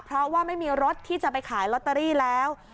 เพราะว่าไม่มีรถที่จะไปขายลอตเตอรี่แล้ว